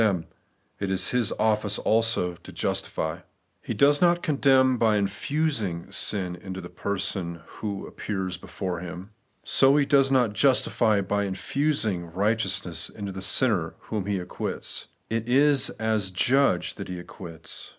The Righteousness of God reckoned to us, 95 He does not condemn by infusing sin into the person who appears before Him; so He does not justify by infusing righteousness into the sinner whom He acquits. It is as Judge that He acquits.